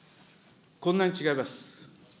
こんなに違います。